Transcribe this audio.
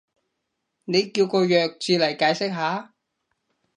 你叫個弱智嚟解釋下